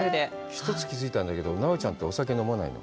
一つ、気づいたんだけど、奈緒ちゃんって、お酒飲まないの？